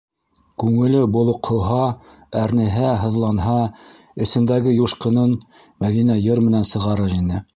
Күңеле болоҡһоһа, әрнеһә-һыҙланһа, эсендәге юшҡынын Мәҙинә йыр менән сығарыр ине.